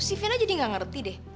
si vina jadi gak ngerti deh